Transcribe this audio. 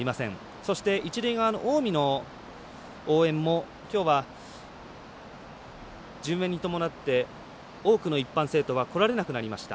そして、一塁側の近江の応援もきょうは、順延に伴って多くの一般生徒は来られなくなりました。